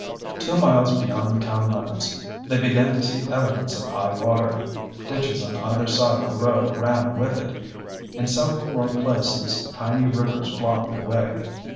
Two miles beyond the town limits they began to see evidence of high water. Ditches on either side of the road ran with it. In several low places tiny rivers blocked their way.